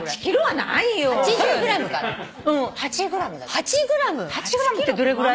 ８ｇってどれぐらい？